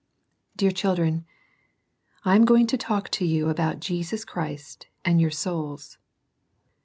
DEAR Children, — I am going to talk to you about Jesus Christ and your souls.